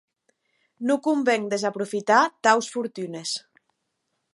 Non conven desaprofitar taus fortunes.